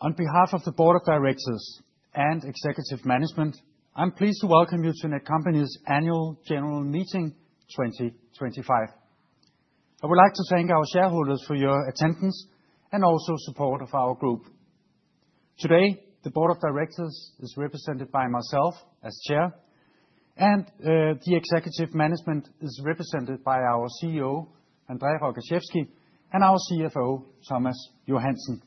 On behalf of the Board of Directors and Executive Management, I'm pleased to welcome you to Netcompany's annual general meeting 2025. I would like to thank our shareholders for your attendance and also support of our group. Today, the Board of Directors is represented by myself as Chair, and the Executive Management is represented by our CEO, André Rogaczewski, and our CFO, Thomas Johansen.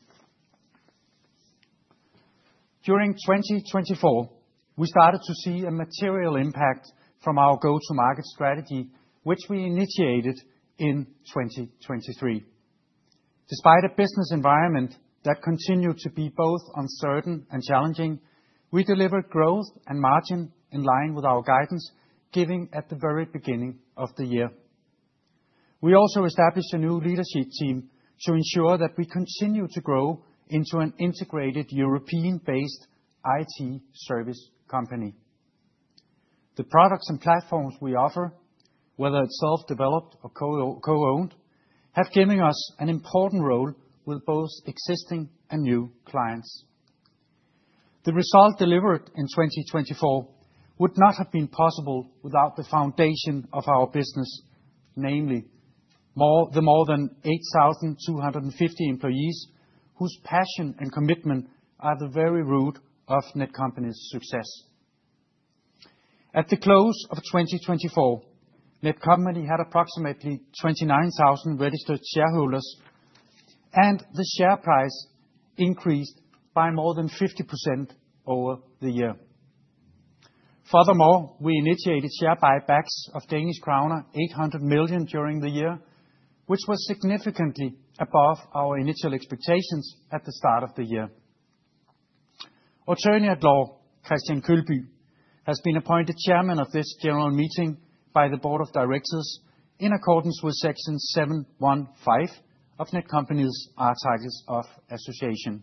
During 2024, we started to see a material impact from our go-to-market strategy, which we initiated in 2023. Despite a business environment that continued to be both uncertain and challenging, we delivered growth and margin in line with our guidance given at the very beginning of the year. We also established a new leadership team to ensure that we continue to grow into an integrated European-based IT service company. The products and platforms we offer, whether it's self-developed or co-owned, have given us an important role with both existing and new clients. The result delivered in 2024 would not have been possible without the foundation of our business, namely the more than 8,250 employees whose passion and commitment are at the very root of Netcompany's success. At the close of 2024, Netcompany had approximately 29,000 registered shareholders, and the share price increased by more than 50% over the year. Furthermore, we initiated share buybacks of Danish kroner 800 million during the year, which was significantly above our initial expectations at the start of the year. Attorney at law, Christian Kølby, has been appointed Chairman of this general meeting by the Board of Directors in accordance with Section 715 of Netcompany's Articles of Association.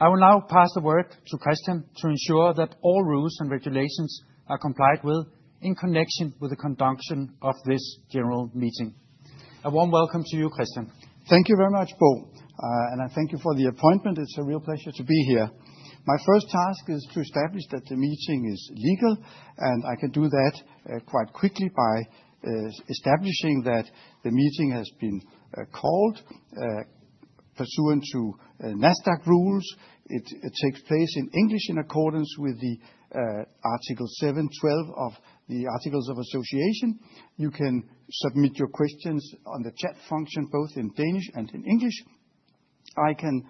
I will now pass the word to Christian to ensure that all rules and regulations are complied with in connection with the conduction of this general meeting. A warm welcome to you, Christian. Thank you very much, Bo, and thank you for the appointment. It's a real pleasure to be here. My first task is to establish that the meeting is legal, and I can do that quite quickly by establishing that the meeting has been called pursuant to NASDAQ rules. It takes place in English in accordance with Article 712 of the Articles of Association. You can submit your questions on the chat function both in Danish and in English. I can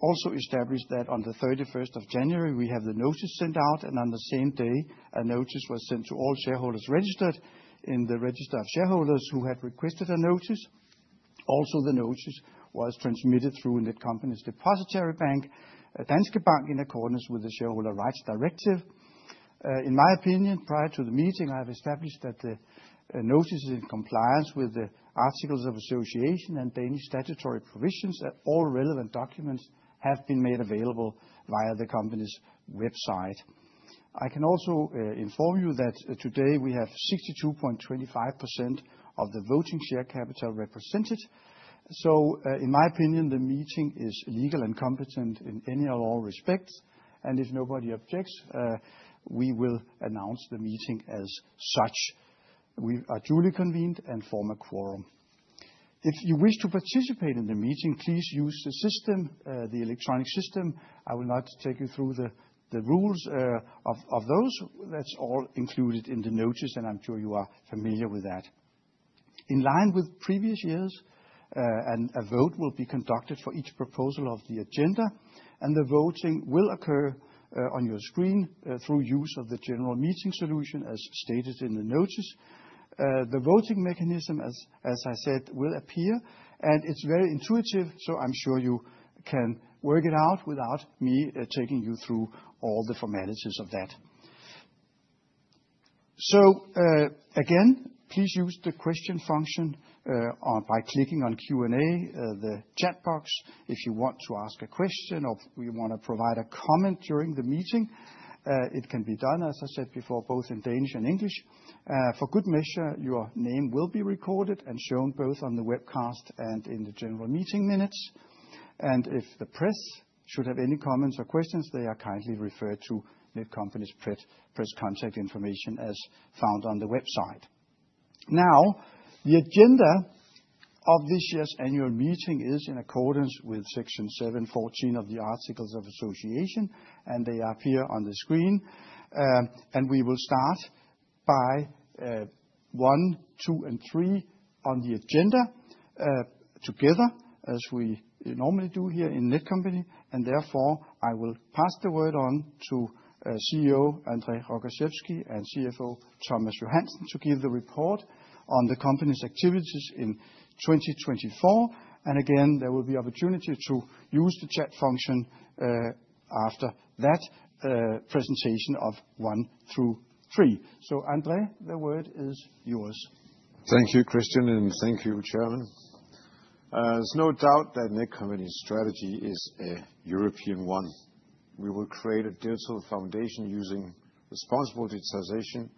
also establish that on the 31st of January, we have the notice sent out, and on the same day, a notice was sent to all shareholders registered in the register of shareholders who had requested a notice. Also, the notice was transmitted through Netcompany's depository bank, Danske Bank, in accordance with the shareholder rights directive. In my opinion, prior to the meeting, I have established that the notice is in compliance with the Articles of Association and Danish statutory provisions, and all relevant documents have been made available via the company's website. I can also inform you that today we have 62.25% of the voting share capital represented. In my opinion, the meeting is legal and competent in any or all respects, and if nobody objects, we will announce the meeting as such. We are duly convened and form a quorum. If you wish to participate in the meeting, please use the system, the electronic system. I will not take you through the rules of those. That is all included in the notice, and I'm sure you are familiar with that. In line with previous years, a vote will be conducted for each proposal of the agenda, and the voting will occur on your screen through use of the general meeting solution, as stated in the notice. The voting mechanism, as I said, will appear, and it's very intuitive, so I'm sure you can work it out without me taking you through all the formalities of that. Please use the question function by clicking on Q&A, the chat box, if you want to ask a question or you want to provide a comment during the meeting. It can be done, as I said before, both in Danish and English. For good measure, your name will be recorded and shown both on the webcast and in the general meeting minutes. If the press should have any comments or questions, they are kindly referred to Netcompany's press contact information as found on the website. The agenda of this year's annual meeting is in accordance with Section 714 of the Articles of Association, and they appear on the screen. We will start by 1, 2, and 3 on the agenda together, as we normally do here in Netcompany. Therefore, I will pass the word on to CEO André Rogaczewski and CFO Thomas Johansen to give the report on the company's activities in 2024. Again, there will be an opportunity to use the chat function after that presentation of one through three. André, the word is yours. Thank you, Christian, and thank you, Chairman. There's no doubt that Netcompany's strategy is a European one. We will create a digital foundation using responsible digitization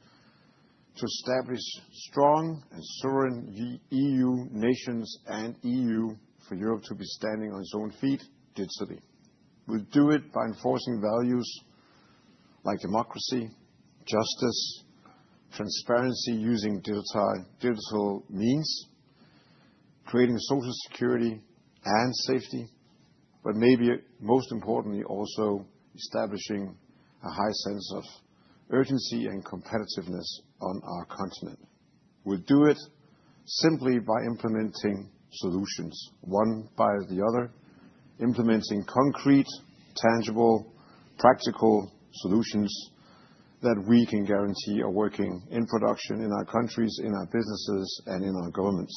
to establish strong and sovereign EU nations and EU for Europe to be standing on its own feet digitally. We'll do it by enforcing values like democracy, justice, transparency using digital means, creating social security and safety, but maybe most importantly, also establishing a high sense of urgency and competitiveness on our continent. We'll do it simply by implementing solutions one by the other, implementing concrete, tangible, practical solutions that we can guarantee are working in production in our countries, in our businesses, and in our governments.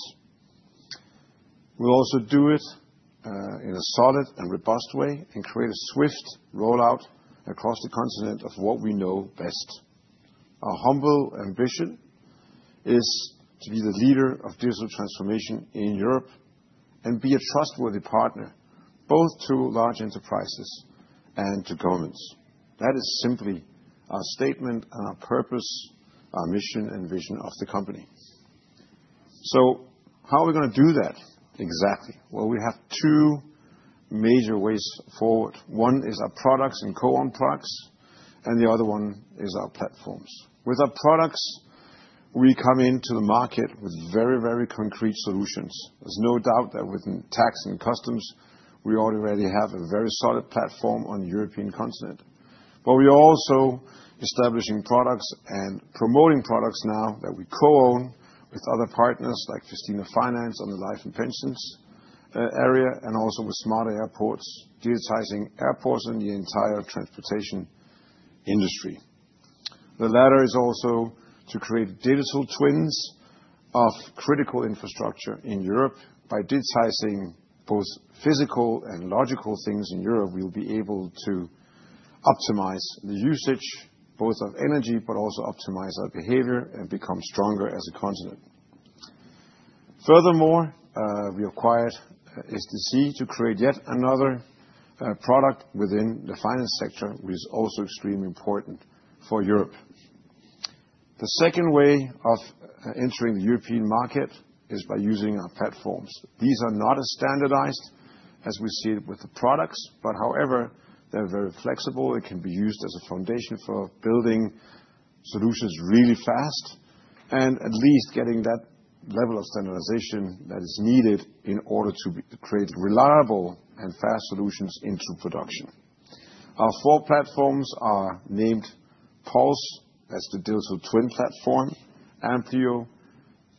We'll also do it in a solid and robust way and create a swift rollout across the continent of what we know best. Our humble ambition is to be the leader of digital transformation in Europe and be a trustworthy partner both to large enterprises and to governments. That is simply our statement and our purpose, our mission and vision of the company. How are we going to do that exactly? We have two major ways forward. One is our products and co-owned products, and the other one is our platforms. With our products, we come into the market with very, very concrete solutions. There is no doubt that with tax and customs, we already have a very solid platform on the European continent. We are also establishing products and promoting products now that we co-own with other partners like Cristin Finance on the life and pensions area and also with Smarter Airports, digitizing airports and the entire transportation industry. The latter is also to create digital twins of critical infrastructure in Europe. By digitizing both physical and logical things in Europe, we will be able to optimize the usage both of energy, but also optimize our behavior and become stronger as a continent. Furthermore, we acquired SDC to create yet another product within the finance sector, which is also extremely important for Europe. The second way of entering the European market is by using our platforms. These are not as standardized as we see it with the products, but however, they're very flexible. They can be used as a foundation for building solutions really fast and at least getting that level of standardization that is needed in order to create reliable and fast solutions into production. Our four platforms are named Pulse, that's the digital twin platform, Amplio.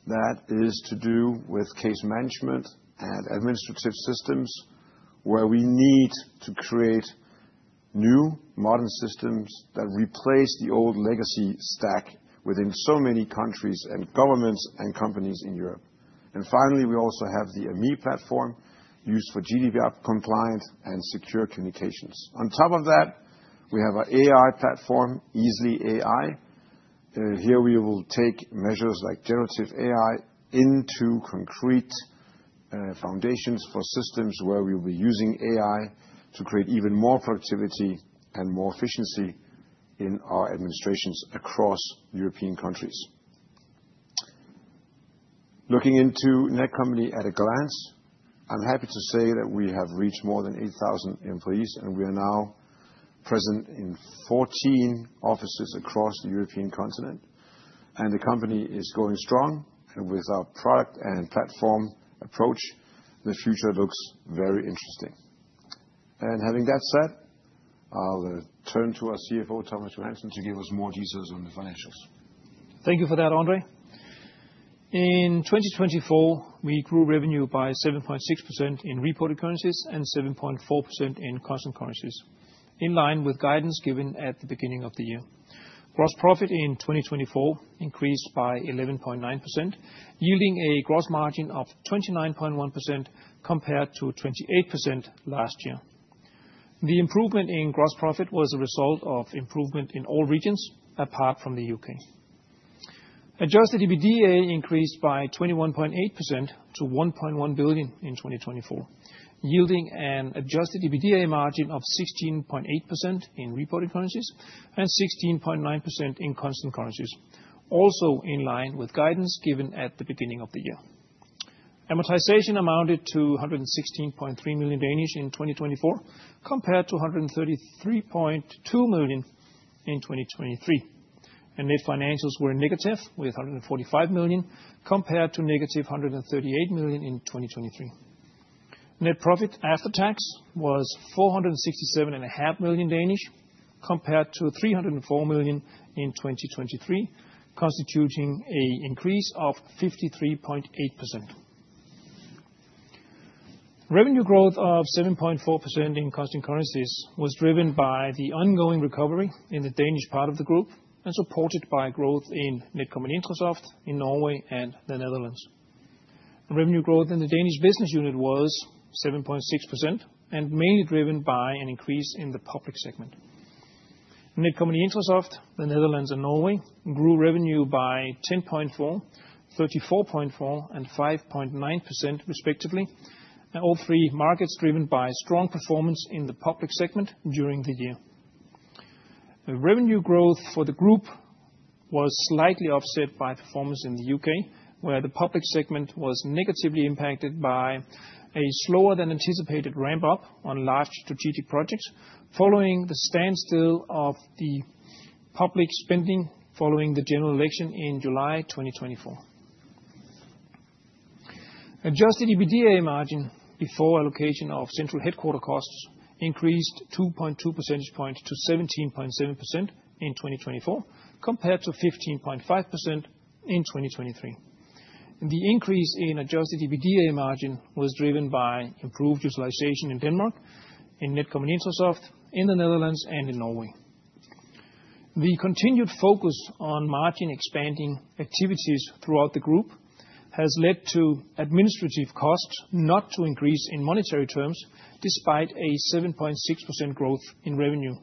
That is to do with case management and administrative systems where we need to create new modern systems that replace the old legacy stack within so many countries and governments and companies in Europe. Finally, we also have the AMI platform used for GDPR-compliant and secure communications. On top of that, we have our AI platform, Easly AI. Here we will take measures like generative AI into concrete foundations for systems where we will be using AI to create even more productivity and more efficiency in our administrations across European countries. Looking into Netcompany at a glance, I'm happy to say that we have reached more than 8,000 employees, and we are now present in 14 offices across the European continent. The company is going strong, and with our product and platform approach, the future looks very interesting. Having that said, I'll turn to our CFO, Thomas Johansen, to give us more details on the financials. Thank you for that, André. In 2024, we grew revenue by 7.6% in reported currencies and 7.4% in constant currencies, in line with guidance given at the beginning of the year. Gross profit in 2024 increased by 11.9%, yielding a gross margin of 29.1% compared to 28% last year. The improvement in gross profit was a result of improvement in all regions apart from the U.K. Adjusted EBITDA increased by 21.8% to 1.1 billion in 2024, yielding an adjusted EBITDA margin of 16.8% in reported currencies and 16.9% in constant currencies, also in line with guidance given at the beginning of the year. Amortization amounted to 116.3 million in 2024 compared to 133.2 million in 2023. Net financials were negative with 145 million compared to negative 138 million in 2023. Net profit after tax was 467.5 million compared to 304 million in 2023, constituting an increase of 53.8%. Revenue growth of 7.4% in constant currencies was driven by the ongoing recovery in the Danish part of the group and supported by growth in Netcompany-Intrasoft in Norway and the Netherlands. Revenue growth in the Danish business unit was 7.6% and mainly driven by an increase in the public segment. Netcompany-Intrasoft, the Netherlands and Norway grew revenue by 10.4%, 34.4%, and 5.9% respectively, all three markets driven by strong performance in the public segment during the year. Revenue growth for the group was slightly offset by performance in the U.K., where the public segment was negatively impacted by a slower than anticipated ramp-up on large strategic projects following the standstill of the public spending following the general election in July 2024. Adjusted EBITDA margin before allocation of central headquarter costs increased 2.2 percentage points to 17.7% in 2024 compared to 15.5% in 2023. The increase in adjusted EBITDA margin was driven by improved utilization in Denmark, in Netcompany Intrasoft, in the Netherlands, and in Norway. The continued focus on margin expanding activities throughout the group has led to administrative costs not to increase in monetary terms despite a 7.6% growth in revenue,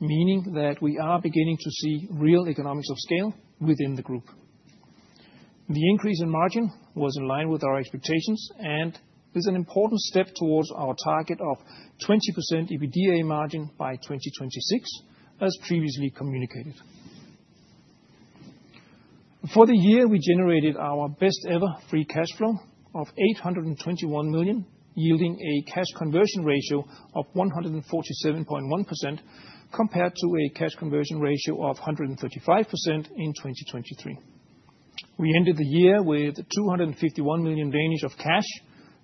meaning that we are beginning to see real economics of scale within the group. The increase in margin was in line with our expectations and is an important step towards our target of 20% EBITDA margin by 2026, as previously communicated. For the year, we generated our best-ever free cash flow of 821 million, yielding a cash conversion ratio of 147.1% compared to a cash conversion ratio of 135% in 2023. We ended the year with 251 million of cash,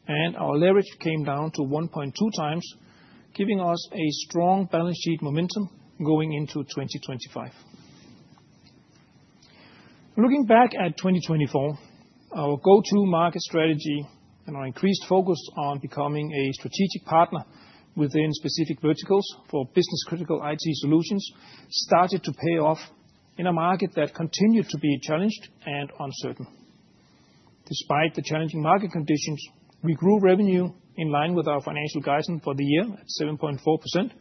and our leverage came down to 1.2 times, giving us a strong balance sheet momentum going into 2025. Looking back at 2024, our go-to-market strategy and our increased focus on becoming a strategic partner within specific verticals for business-critical IT solutions started to pay off in a market that continued to be challenged and uncertain. Despite the challenging market conditions, we grew revenue in line with our financial guidance for the year at 7.4%.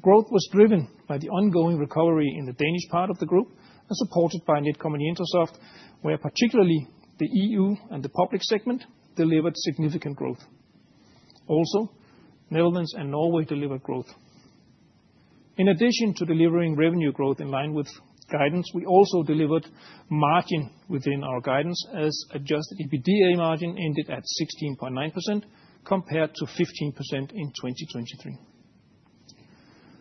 Growth was driven by the ongoing recovery in the Danish part of the group and supported by Netcompany Intrasoft, where particularly the EU and the public segment delivered significant growth. Also, Netherlands and Norway delivered growth. In addition to delivering revenue growth in line with guidance, we also delivered margin within our guidance as adjusted EBITDA margin ended at 16.9% compared to 15% in 2023.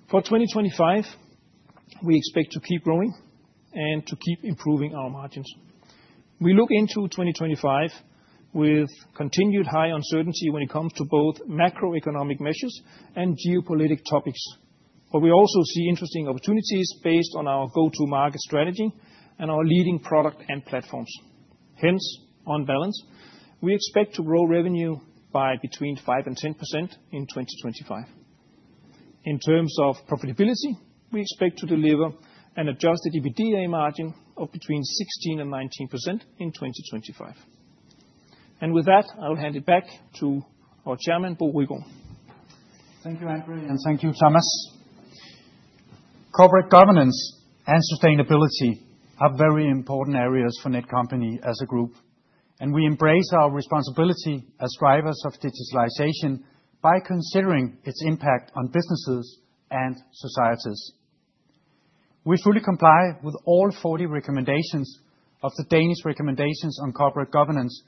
For 2025, we expect to keep growing and to keep improving our margins. We look into 2025 with continued high uncertainty when it comes to both macroeconomic measures and geopolitic topics, but we also see interesting opportunities based on our go-to-market strategy and our leading product and platforms. Hence, on balance, we expect to grow revenue by between 5% and 10% in 2025. In terms of profitability, we expect to deliver an adjusted EBITDA margin of between 16% and 19% in 2025. With that, I'll hand it back to our Chairman, Bo Rygaard. Thank you, André, and thank you, Thomas. Corporate governance and sustainability are very important areas for Netcompany as a group, and we embrace our responsibility as drivers of digitalization by considering its impact on businesses and societies. We fully comply with all 40 recommendations of the Danish recommendations on corporate governance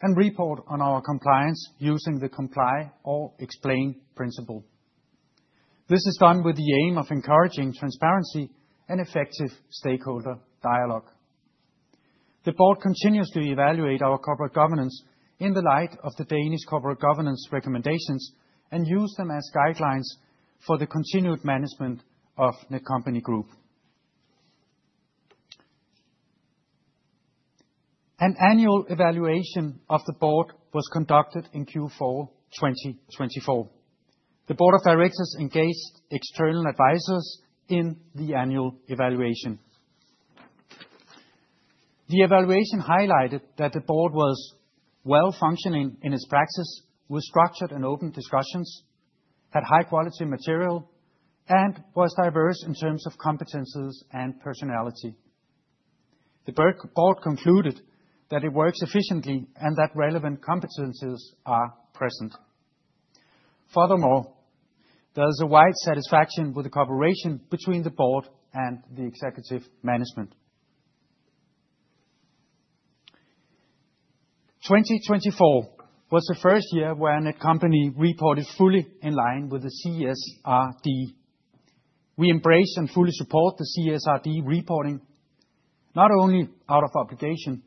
and report on our compliance using the comply or explain principle. This is done with the aim of encouraging transparency and effective stakeholder dialogue. The Board continues to evaluate our corporate governance in the light of the Danish corporate governance recommendations and use them as guidelines for the continued management of Netcompany Group. An annual evaluation of the Board was conducted in Q4 2024. The Board of Directors engaged external advisors in the annual evaluation. The evaluation highlighted that the Board was well-functioning in its practice, with structured and open discussions, had high-quality material, and was diverse in terms of competencies and personality. The Board concluded that it works efficiently and that relevant competencies are present. Furthermore, there is a wide satisfaction with the cooperation between the Board and the executive management. 2024 was the first year where Netcompany reported fully in line with the CSRD. We embrace and fully support the CSRD reporting, not only out of obligation,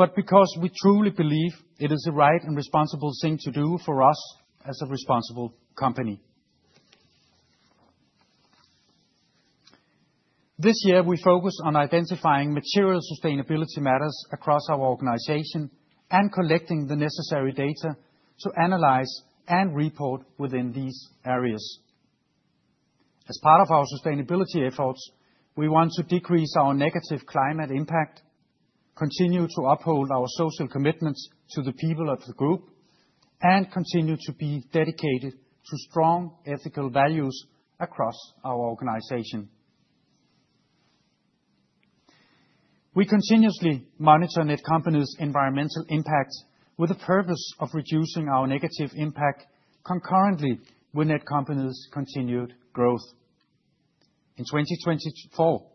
but because we truly believe it is the right and responsible thing to do for us as a responsible company. This year, we focused on identifying material sustainability matters across our organization and collecting the necessary data to analyze and report within these areas. As part of our sustainability efforts, we want to decrease our negative climate impact, continue to uphold our social commitments to the people of the group, and continue to be dedicated to strong ethical values across our organization. We continuously monitor Netcompany's environmental impact with the purpose of reducing our negative impact concurrently with Netcompany's continued growth. In 2024,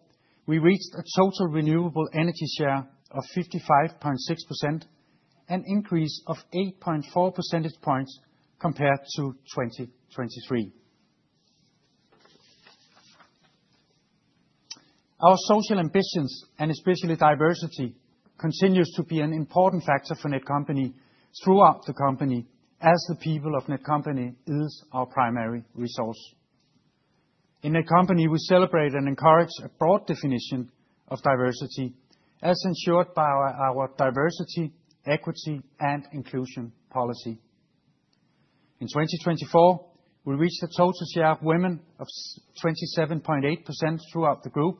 we reached a total renewable energy share of 55.6%, an increase of 8.4 percentage points compared to 2023. Our social ambitions and especially diversity continue to be an important factor for Netcompany throughout the company as the people of Netcompany are our primary resource. In Netcompany, we celebrate and encourage a broad definition of diversity as ensured by our diversity, equity, and inclusion policy. In 2024, we reached a total share of women of 27.8% throughout the group,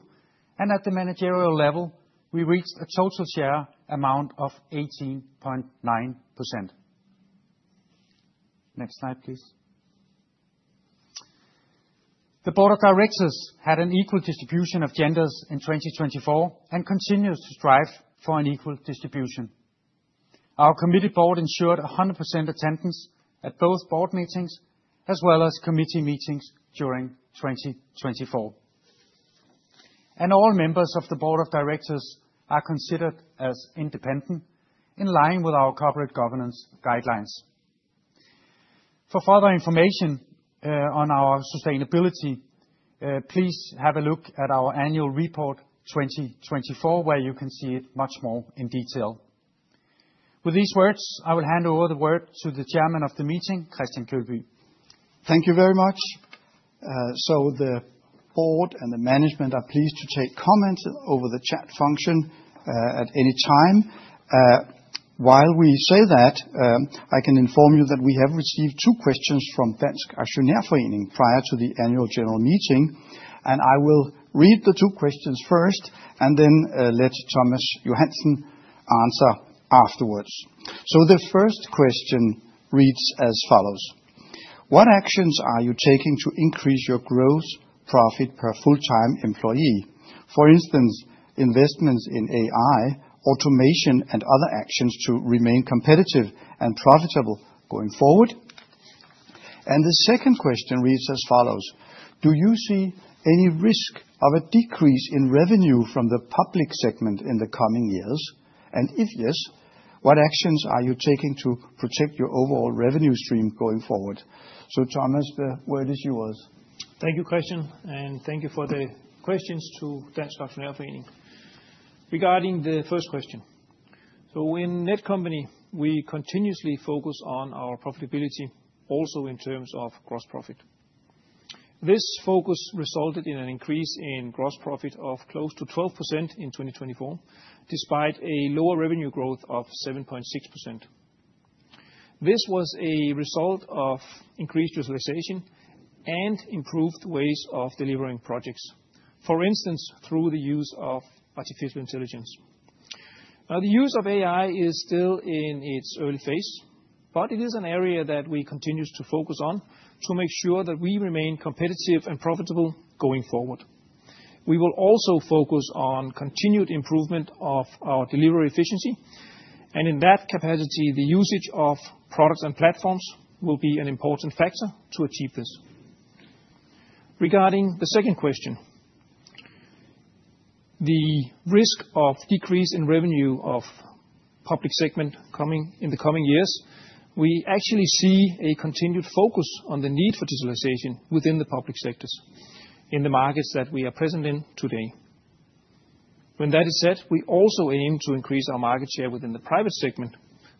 and at the managerial level, we reached a total share amount of 18.9%. Next slide, please. The Board of Directors had an equal distribution of genders in 2024 and continues to strive for an equal distribution. Our committed board ensured 100% attendance at both board meetings as well as committee meetings during 2024. All members of the Board of Directors are considered as independent in line with our corporate governance guidelines. For further information on our sustainability, please have a look at our annual report 2024, where you can see it much more in detail. With these words, I will hand over the word to the Chairman of the meeting, Christian Kølby. Thank you very much. The board and the management are pleased to take comments over the chat function at any time. While we say that, I can inform you that we have received two questions from Danske Aktionærforening prior to the annual general meeting, and I will read the two questions first and then let Thomas Johansen answer afterwards. The first question reads as follows: What actions are you taking to increase your growth profit per full-time employee? For instance, investments in AI, automation, and other actions to remain competitive and profitable going forward. The second question reads as follows: Do you see any risk of a decrease in revenue from the public segment in the coming years? If yes, what actions are you taking to protect your overall revenue stream going forward? Thomas, the word is yours. Thank you, Christian, and thank you for the questions to Danske Aktionærforening. Regarding the first question, in Netcompany, we continuously focus on our profitability also in terms of gross profit. This focus resulted in an increase in gross profit of close to 12% in 2024, despite a lower revenue growth of 7.6%. This was a result of increased utilization and improved ways of delivering projects, for instance, through the use of artificial intelligence. Now, the use of AI is still in its early phase, but it is an area that we continue to focus on to make sure that we remain competitive and profitable going forward. We will also focus on continued improvement of our delivery efficiency, and in that capacity, the usage of products and platforms will be an important factor to achieve this. Regarding the second question, the risk of decrease in revenue of public segment coming in the coming years, we actually see a continued focus on the need for digitalization within the public sectors in the markets that we are present in today. When that is said, we also aim to increase our market share within the private segment,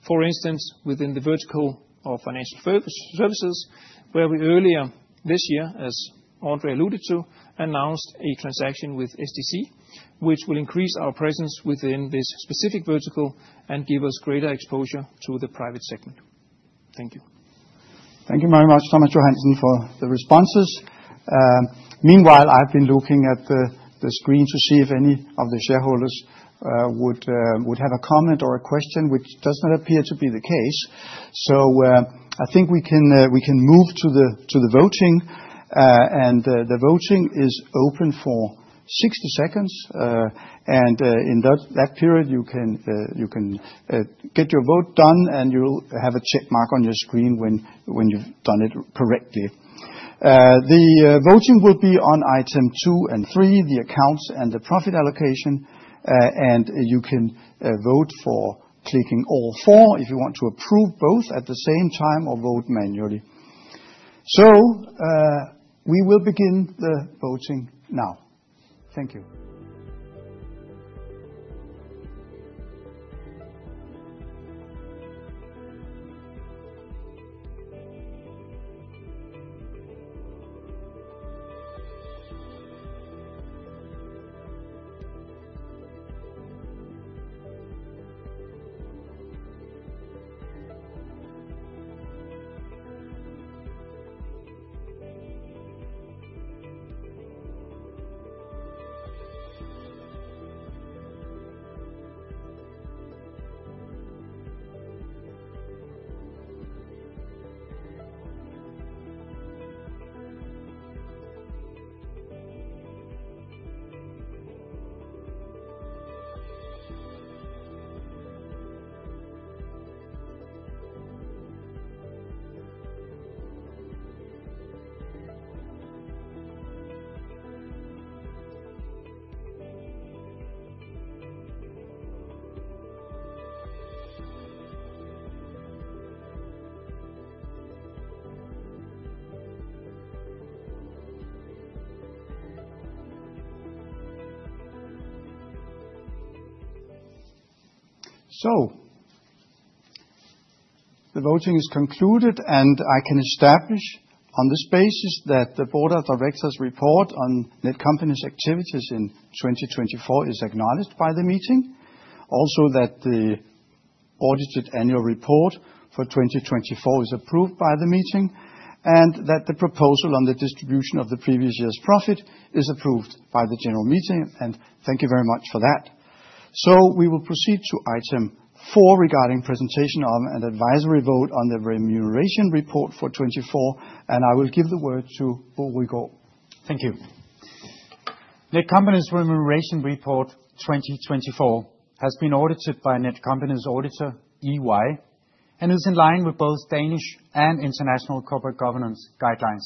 for instance, within the vertical of financial services, where we earlier this year, as André alluded to, announced a transaction with SDC, which will increase our presence within this specific vertical and give us greater exposure to the private segment. Thank you. Thank you very much, Thomas Johansen, for the responses. Meanwhile, I have been looking at the screen to see if any of the shareholders would have a comment or a question, which does not appear to be the case. I think we can move to the voting, and the voting is open for 60 seconds. In that period, you can get your vote done, and you will have a check mark on your screen when you have done it correctly. The voting will be on item two and three, the accounts and the profit allocation, and you can vote for clicking all four if you want to approve both at the same time or vote manually. We will begin the voting now. Thank you. The voting is concluded, and I can establish on this basis that the Board of Directors' report on Netcompany's activities in 2024 is acknowledged by the meeting, also that the audited annual report for 2024 is approved by the meeting, and that the proposal on the distribution of the previous year's profit is approved by the general meeting. Thank you very much for that. We will proceed to item four regarding presentation of an advisory vote on the remuneration report for 2024, and I will give the word to Bo Rygaard. Thank you. Netcompany's remuneration report 2024 has been audited by Netcompany's auditor, EY, and is in line with both Danish and international corporate governance guidelines.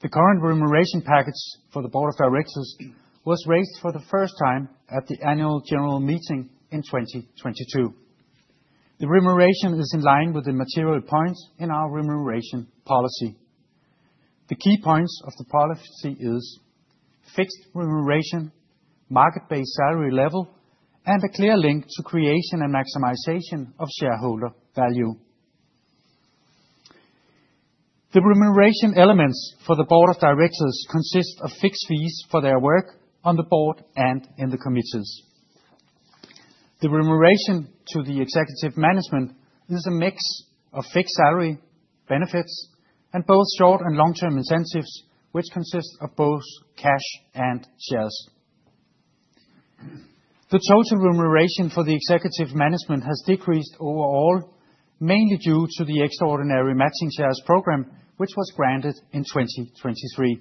The current remuneration package for the Board of Directors was raised for the first time at the annual general meeting in 2022. The remuneration is in line with the material points in our remuneration policy. The key points of the policy are fixed remuneration, market-based salary level, and a clear link to creation and maximization of shareholder value. The remuneration elements for the Board of Directors consist of fixed fees for their work on the board and in the committees. The remuneration to the executive management is a mix of fixed salary benefits and both short and long-term incentives, which consist of both cash and shares. The total remuneration for the executive management has decreased overall, mainly due to the extraordinary matching shares program, which was granted in 2023.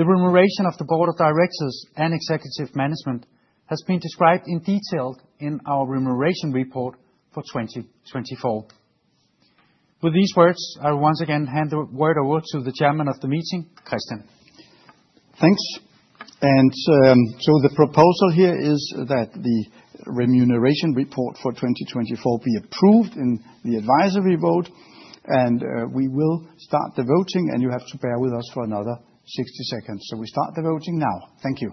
The remuneration of the Board of Directors and executive management has been described in detail in our remuneration report for 2024. With these words, I will once again hand the word over to the chairman of the meeting, Christian. Thanks. The proposal here is that the remuneration report for 2024 be approved in the advisory vote, and we will start the voting, and you have to bear with us for another 60 seconds. We start the voting now. Thank you.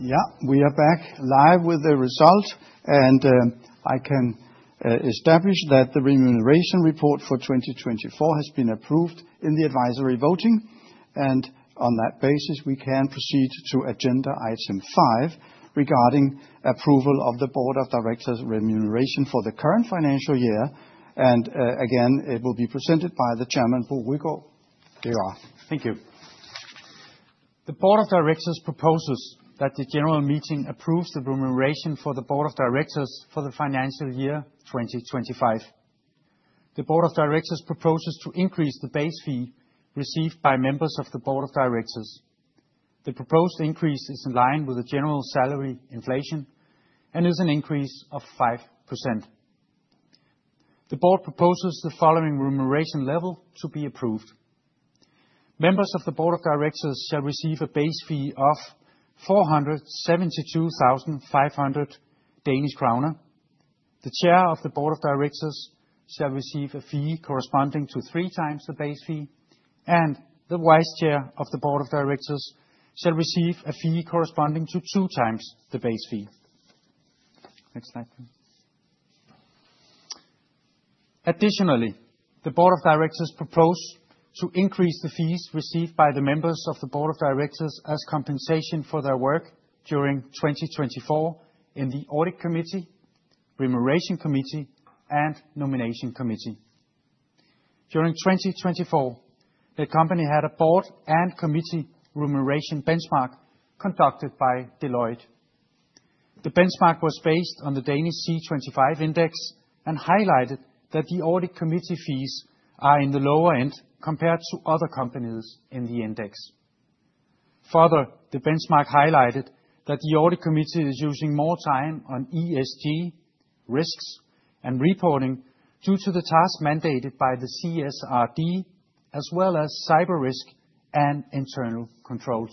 Yeah, we are back live with the result, and I can establish that the remuneration report for 2024 has been approved in the advisory voting, and on that basis, we can proceed to agenda item five regarding approval of the Board of Directors' remuneration for the current financial year. Again, it will be presented by the Chairman, Bo Rygaard. Here you are. Thank you. The board of directors proposes that the general meeting approves the remuneration for the board of directors for the financial year 2025. The board of directors proposes to increase the base fee received by members of the board of directors. The proposed increase is in line with the general salary inflation and is an increase of 5%. The board proposes the following remuneration level to be approved. Members of the board of directors shall receive a base fee of 472,500 Danish kroner. The chair of the board of directors shall receive a fee corresponding to three times the base fee, and the vice chair of the board of directors shall receive a fee corresponding to two times the base fee. Next slide. Additionally, the board of directors proposes to increase the fees received by the members of the board of directors as compensation for their work during 2024 in the audit committee, remuneration committee, and nomination committee. During 2024, Netcompany had a board and committee remuneration benchmark conducted by Deloitte. The benchmark was based on the Danish C25 index and highlighted that the audit committee fees are in the lower end compared to other companies in the index. Further, the benchmark highlighted that the audit committee is using more time on ESG risks and reporting due to the tasks mandated by the CSRD, as well as cyber risk and internal controls.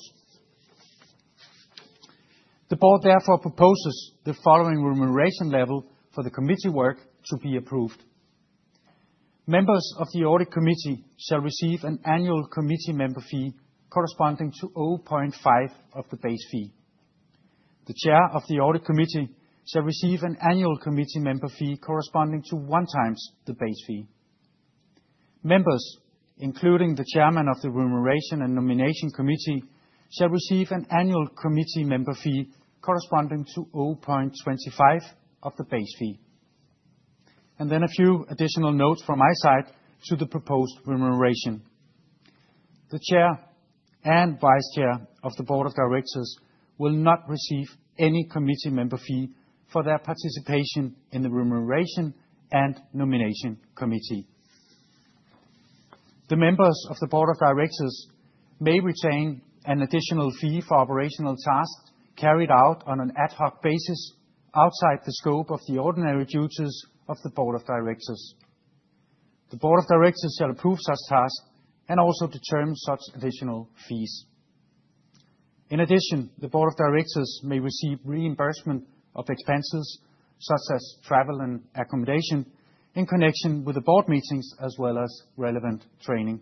The board therefore proposes the following remuneration level for the committee work to be approved. Members of the audit committee shall receive an annual committee member fee corresponding to 0.5% of the base fee. The chair of the audit committee shall receive an annual committee member fee corresponding to one times the base fee. Members, including the chairman of the remuneration and nomination committee, shall receive an annual committee member fee corresponding to 0.25% of the base fee. A few additional notes from my side to the proposed remuneration. The chair and vice chair of the board of directors will not receive any committee member fee for their participation in the remuneration and nomination committee. The members of the board of directors may retain an additional fee for operational tasks carried out on an ad hoc basis outside the scope of the ordinary duties of the board of directors. The board of directors shall approve such tasks and also determine such additional fees. In addition, the Board of Directors may receive reimbursement of expenses such as travel and accommodation in connection with the board meetings, as well as relevant training.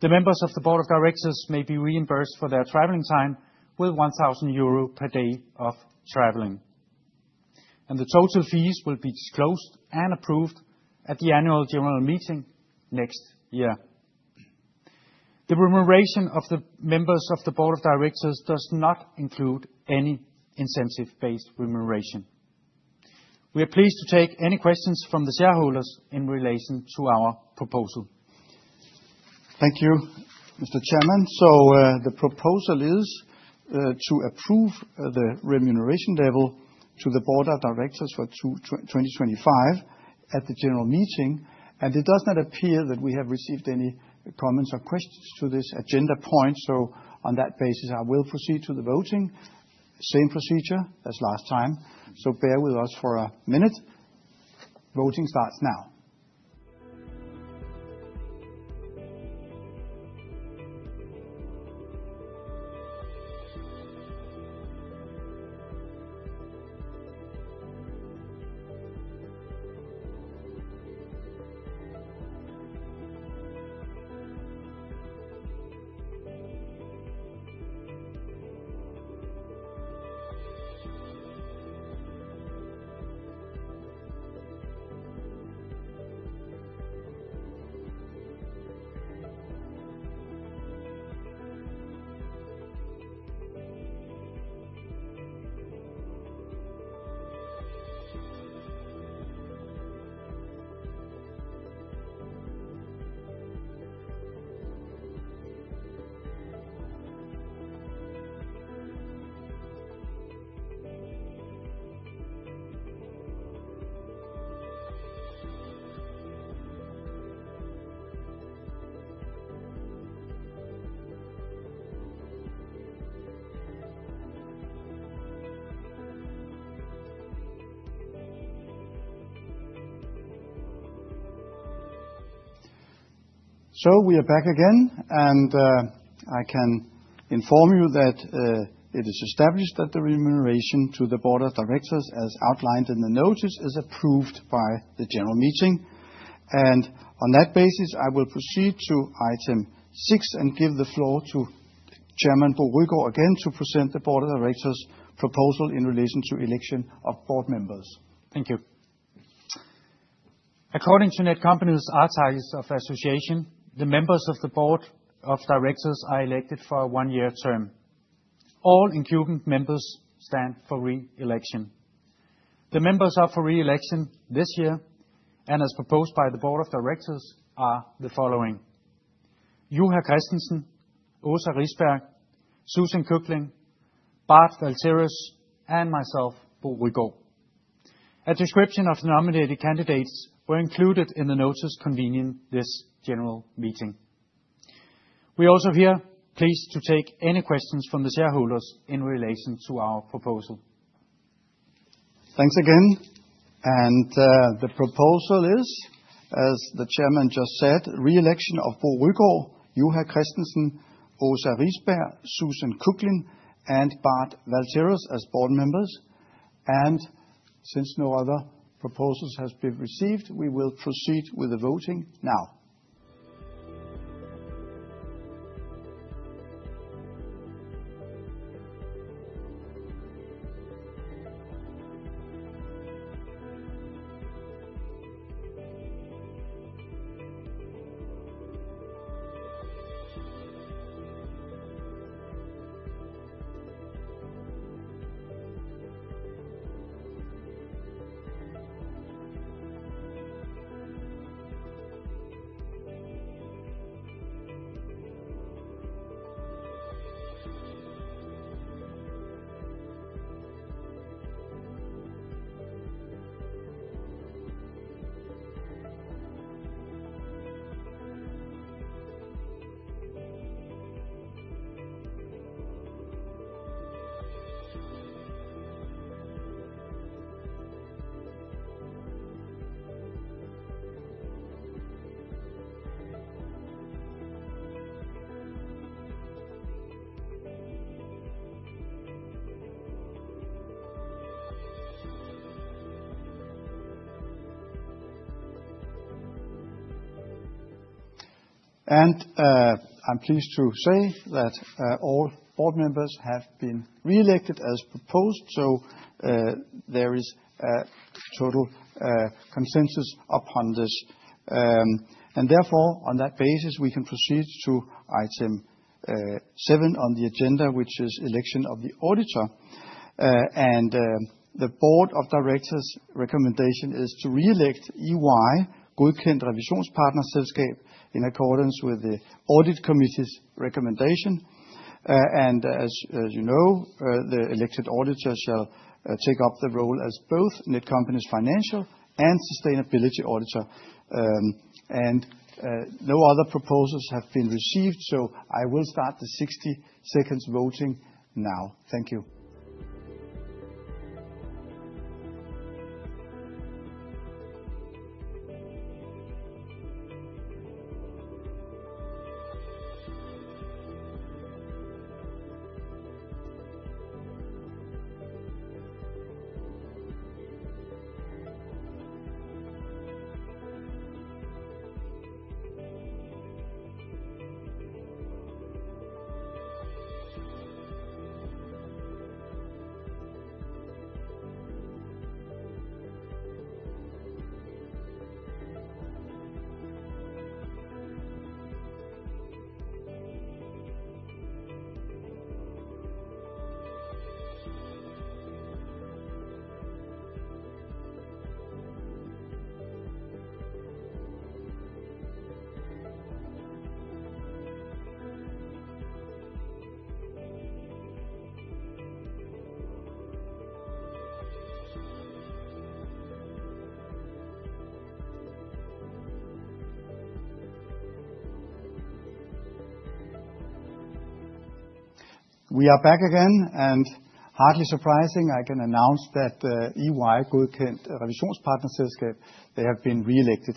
The members of the Board of Directors may be reimbursed for their traveling time with 1,000 euro per day of traveling. The total fees will be disclosed and approved at the annual general meeting next year. The remuneration of the members of the Board of Directors does not include any incentive-based remuneration. We are pleased to take any questions from the shareholders in relation to our proposal. Thank you, Mr. Chairman. The proposal is to approve the remuneration level to the Board of Directors for 2025 at the general meeting. It does not appear that we have received any comments or questions to this agenda point. On that basis, I will proceed to the voting. Same procedure as last time. Bear with us for a minute. Voting starts now. We are back again, and I can inform you that it is established that the remuneration to the Board of Directors, as outlined in the notice, is approved by the general meeting. On that basis, I will proceed to item six and give the floor to Chairman Bo Rygaard again to present the Board of Directors' proposal in relation to the election of board members. Thank you. According to Netcompany's Articles of Association, the members of the Board of Directors are elected for a one-year term. All incumbent members stand for re-election. The members up for re-election this year, and as proposed by the Board of Directors, are the following: Juha Christensen, Åsa Risberg, Susan Küchling, Bart Valtérus, and myself, Bo Rygaard. A description of the nominated candidates was included in the notice convening this general meeting. We are also here pleased to take any questions from the shareholders in relation to our proposal. Thanks again. The proposal is, as the Chairman just said, re-election of Bo Rygaard, Juha Christensen, Åsa Risberg, Susan Küchling, and Bart Valtérus as board members. Since no other proposals have been received, we will proceed with the voting now. I'm pleased to say that all board members have been re-elected as proposed. There is total consensus upon this. Therefore, on that basis, we can proceed to item seven on the agenda, which is the election of the auditor. The Board of Directors' recommendation is to re-elect EY, Good Kent Revisions Partnership, in accordance with the Audit Committee's recommendation. As you know, the elected auditor shall take up the role as both Netcompany's financial and sustainability auditor. No other proposals have been received. I will start the 60-second voting now. Thank you. We are back again. Hardly surprising, I can announce that EY, Godkendt Revisionspartnerselskab, they have been re-elected.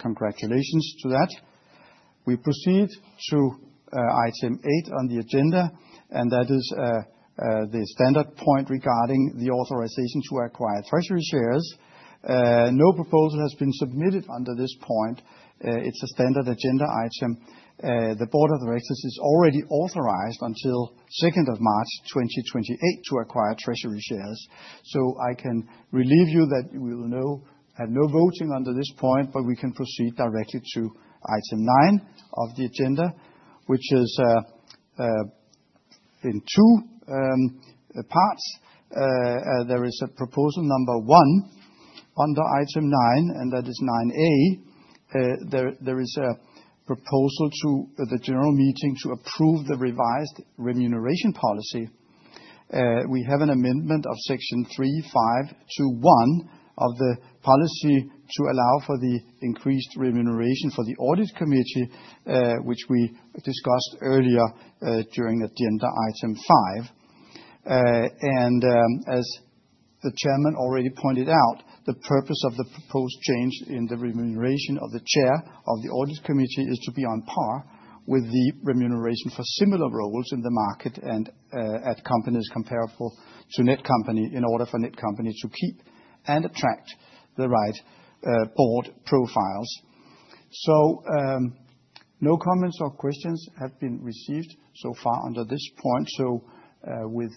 Congratulations to that. We proceed to item eight on the agenda, and that is the standard point regarding the authorization to acquire treasury shares. No proposal has been submitted under this point. It's a standard agenda item. The Board of Directors is already authorized until 2 March 2028 to acquire treasury shares. I can relieve you that we will have no voting under this point, but we can proceed directly to item 9 of the agenda, which is in two parts. There is a proposal number 1 under item 9, and that is 9A. There is a proposal to the general meeting to approve the revised remuneration policy. We have an amendment of section 3521 of the policy to allow for the increased remuneration for the audit committee, which we discussed earlier during agenda item five. As the Chairman already pointed out, the purpose of the proposed change in the remuneration of the chair of the audit committee is to be on par with the remuneration for similar roles in the market and at companies comparable to Netcompany in order for Netcompany to keep and attract the right board profiles. No comments or questions have been received so far under this point. With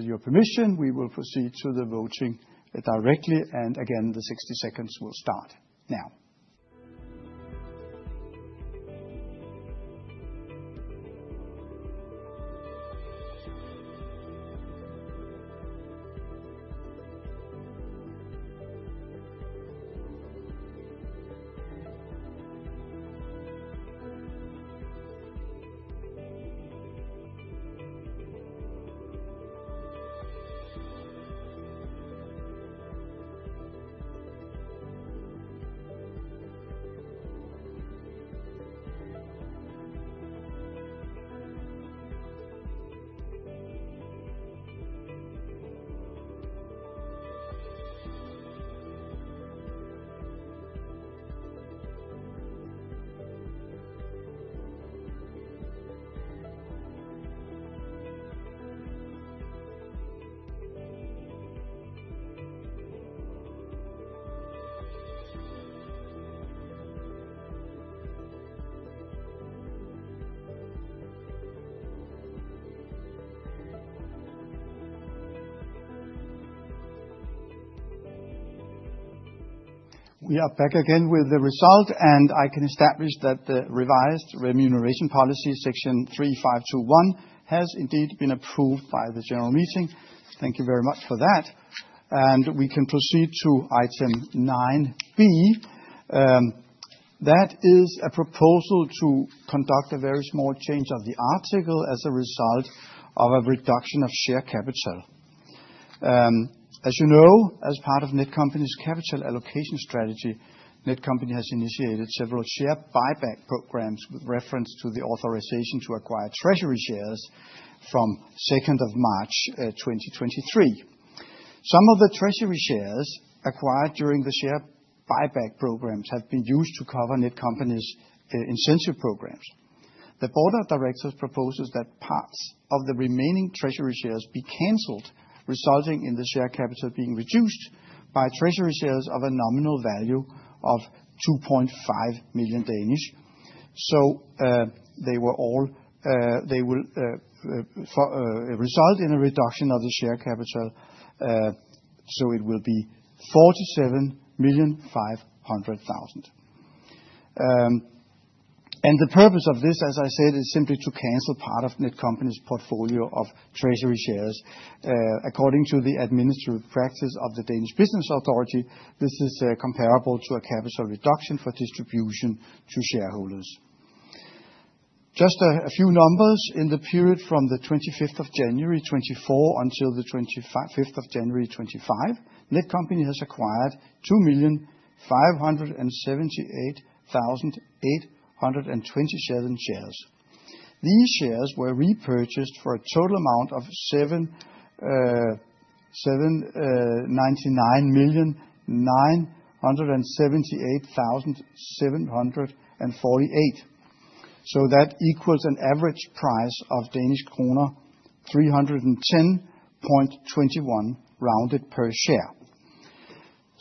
your permission, we will proceed to the voting directly. Again, the 60 seconds will start now. We are back again with the result, and I can establish that the revised remuneration policy, section 3521, has indeed been approved by the general meeting. Thank you very much for that. We can proceed to item 9B. That is a proposal to conduct a very small change of the article as a result of a reduction of share capital. As you know, as part of Netcompany's capital allocation strategy, Netcompany has initiated several share buyback programs with reference to the authorization to acquire treasury shares from 2nd March 2023. Some of the treasury shares acquired during the share buyback programs have been used to cover Netcompany's incentive programs. The Board of Directors proposes that parts of the remaining treasury shares be canceled, resulting in the share capital being reduced by treasury shares of a nominal value of DKK 2.5 million. This will result in a reduction of the share capital. It will be 47,500,000. The purpose of this, as I said, is simply to cancel part of Netcompany's portfolio of treasury shares. According to the administrative practice of the Danish Business Authority, this is comparable to a capital reduction for distribution to shareholders. Just a few numbers: in the period from the 25th of January 2024 until the 25th of January 2025, Netcompany has acquired 2,578,827 shares. These shares were repurchased for a total amount of 799,978,748. That equals an average price of Danish kroner 310.21 rounded per share.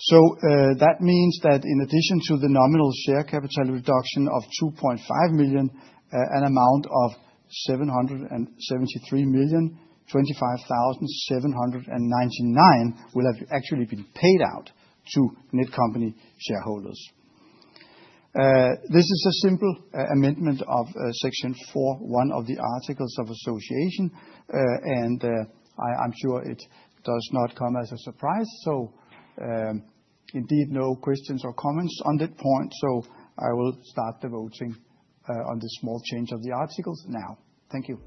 That means that in addition to the nominal share capital reduction of DKK 2.5 million, an amount of 773,025,799 will have actually been paid out to Netcompany shareholders. This is a simple amendment of section 41 of the articles of association, and I'm sure it does not come as a surprise. Indeed, no questions or comments on that point. I will start the voting on the small change of the articles now. Thank you.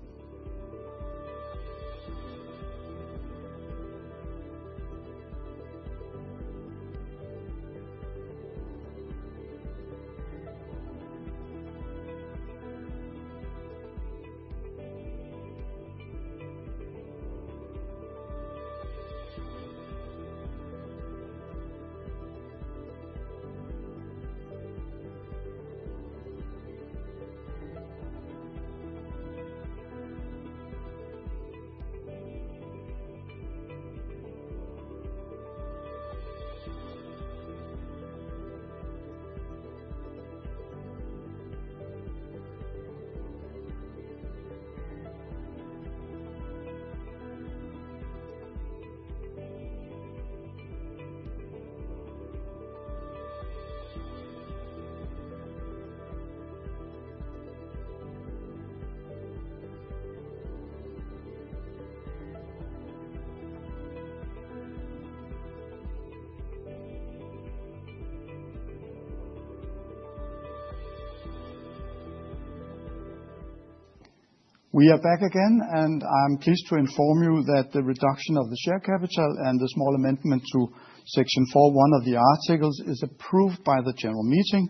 We are back again, and I'm pleased to inform you that the reduction of the share capital and the small amendment to section 41 of the articles is approved by the general meeting.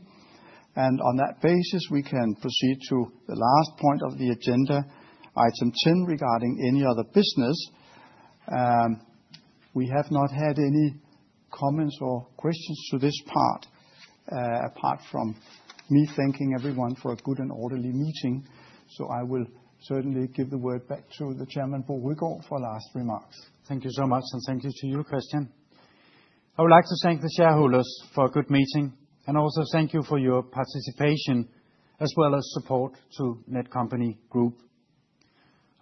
On that basis, we can proceed to the last point of the agenda, item 10, regarding any other business. We have not had any comments or questions to this part apart from me thanking everyone for a good and orderly meeting. I will certainly give the word back to the Chairman, Bo Rygaard, for last remarks. Thank you so much, and thank you to you, Christian. I would like to thank the shareholders for a good meeting and also thank you for your participation as well as support to Netcompany Group.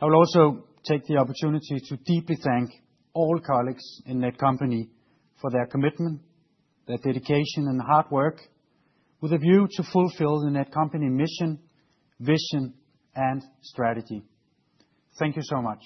I will also take the opportunity to deeply thank all colleagues in Netcompany for their commitment, their dedication, and hard work with a view to fulfill the Netcompany mission, vision, and strategy. Thank you so much.